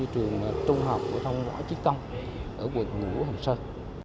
trường trung học của thông ngõ trích công ở quận ngũ hồng sơn